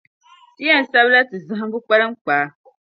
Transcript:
Ti yɛn sabi la ti zahimbu kpalinkpaa.